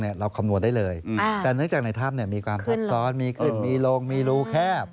แต่อาจารย์จากในถ้ำมีความสะท้อนมีขึ้นมีลงมีลูแคบ